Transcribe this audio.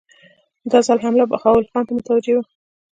دا ځل حمله بهاول خان ته متوجه وه.